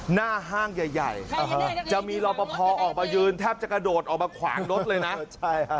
หน้าห้างใหญ่ใหญ่จะมีรอปภออกมายืนแทบจะกระโดดออกมาขวางรถเลยนะ